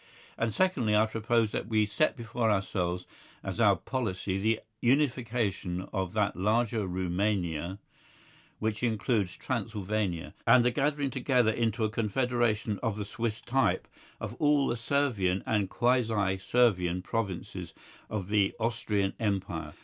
And secondly, I propose that we set before ourselves as our policy the unification of that larger Rumania which includes Transylvania, and the gathering together into a confederation of the Swiss type of all the Servian and quasi Servian provinces of the Austrian Empire.